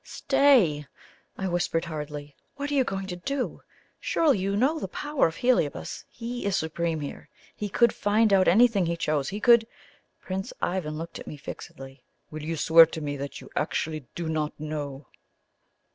"Stay!" I whispered hurriedly, "What are you going to do? Surely you know the power of Heliobas. He is supreme here. He could find out anything he chose. He could " Prince Ivan looked at me fixedly. "Will you swear to me that you actually do not know?"